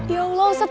ya allah ustaz musa